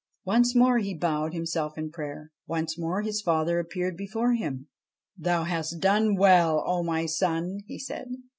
Once more he bowed himself in prayer. Once more his father appeared before him. ' Thou hast done well, O my son,' he said.